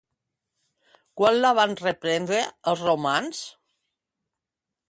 Quan la van reprendre els romans?